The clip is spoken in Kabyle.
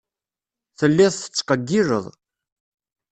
Telliḍ tettqeyyileḍ.